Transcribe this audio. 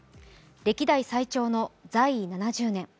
歴代最長の在位７０年。